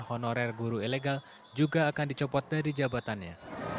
honorer guru ilegal juga akan dicopot dari jabatannya